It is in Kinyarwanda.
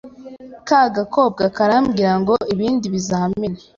ka gakobwa karambwira ngo ibindi bizamini